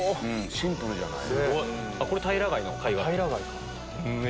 シンプルじゃない？